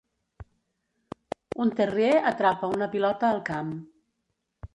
Un terrier atrapa una pilota al camp.